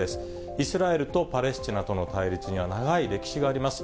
イスラエルとパレスチナとの対立には長い歴史があります。